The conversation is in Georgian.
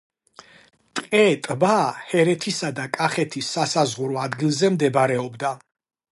ტყე-ტბა ჰერეთისა და კახეთის სასაზღვრო ადგილზე მდებარეობდა.